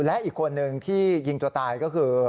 และอีกคนนึงที่ยิงตัวตายก็คือ